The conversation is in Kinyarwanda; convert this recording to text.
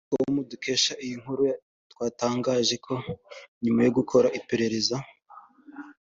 com dukesha iyi nkuru rwatangaje ko nyuma yo gukora iperereza